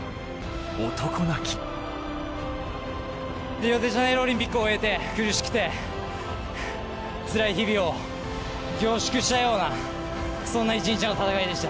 リオデジャネイロオリンピックを終えて、苦しくて、つらい日々を凝縮したような、そんな一日の戦いでした。